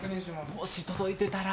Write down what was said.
もし届いてたら。